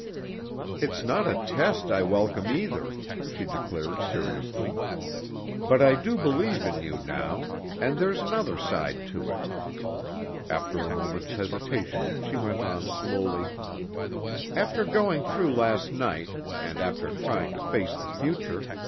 "It's not a test I welcome either," she declared seriously. "But I do believe in you now and there's another side to it." After a moment's hesitation she went on slowly: "After going through last night and after trying to face the future